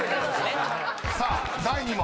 ［さあ第２問。